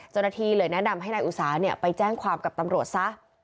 เจ้าหน้าที่เลยแนะนำให้นายอุสาไปแจ้งความกับตำรวจซะ